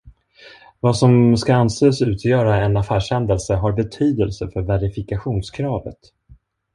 Vad som ska anses utgöra en affärshändelse har betydelse för verifikationskravet.